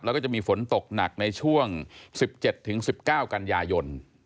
แล้วก็จะมีฝนตกหนักในช่วง๑๗๑๙กันยายน